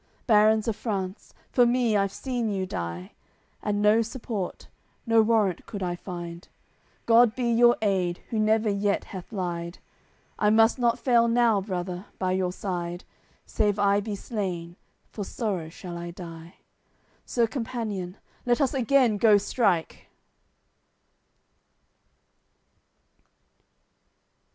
Barons of France, for me I've seen you die, And no support, no warrant could I find; God be your aid, Who never yet hath lied! I must not fail now, brother, by your side; Save I be slain, for sorrow shall I die. Sir companion, let us again go strike!"